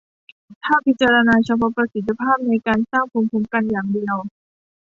ถ้าพิจารณาเฉพาะประสิทธิภาพในการสร้างภูมิคุ้มกันอย่างเดียว